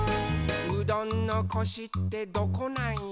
「うどんのコシってどこなんよ？」